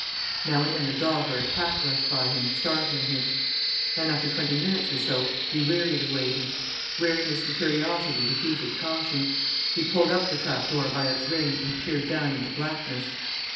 Now and then a dog or a cat rushed by him, startling him. Then, after twenty minutes or so, he wearied of waiting. Weariness and curiosity defeated caution; he pulled up the trap door by its ring and peered down into blackness.